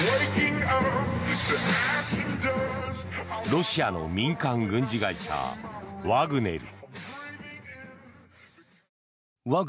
ロシアの民間軍事会社ワグネル。